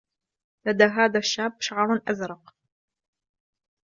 لدى هذا الشاب شعر أزرق.